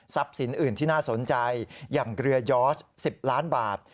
ทรัพย์สินอื่นที่น่าสนใจอย่างเกลือย้อ๑๐ล้านบาท